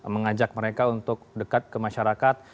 mengajak mereka untuk dekat ke masyarakat